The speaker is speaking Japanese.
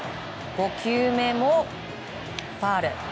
５球目もファウル。